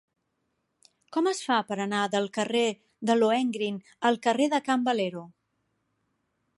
Com es fa per anar del carrer de Lohengrin al carrer de Can Valero?